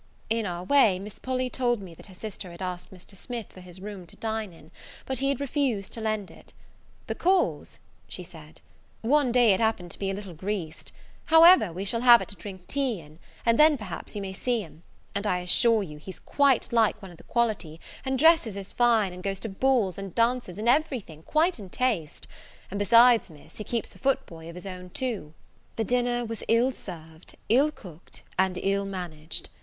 In our way, Miss Polly told me that her sister had asked Mr. Smith for his room to dine in, but he had refused to lend it; "because," she said, "one day it happened to be a little greased: however, we shall have it to drink tea in, and then, perhaps, you may see him; and I assure you he's quite like one of the quality, and dresses as fine, and goes to balls and dances, and every thing, quite in taste; and besides, Miss, he keeps a foot boy of his own too." The dinner was ill served, ill cooked, and ill managed.